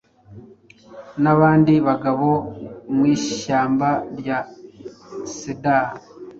nabandi bagabo mwishyamba rya Cedar